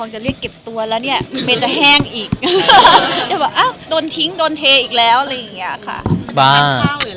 ไม่เคยออกงานผู้ดีกว่าผู้หนิดีกว่า